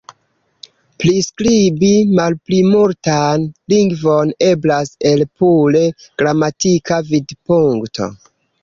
Priskribi malplimultan lingvon eblas el pure gramatika vidpunkto.